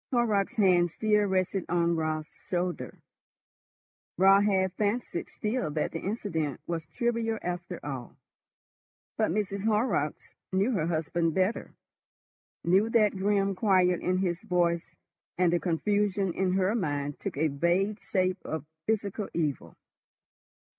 Horrocks' hand still rested on Raut's shoulder. Raut half fancied still that the incident was trivial after all. But Mrs. Horrocks knew her husband better, knew that grim quiet in his voice, and the confusion in her mind took a vague shape of physical evil.